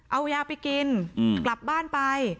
เอายาไปกินกลับบ้านไป